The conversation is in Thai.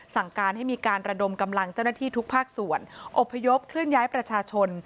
สั่งการให้มีการระดมกำลังเจ้าหน้าที่ทุกภาคส่วนอบพยพเคลื่อนย้ายประชาชน